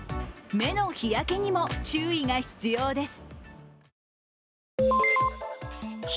目の日焼けにも、注意が必要です。